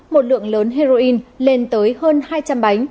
một lượng lớn heroin lên tới hơn hai trăm linh bánh